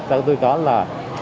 chúng tôi có là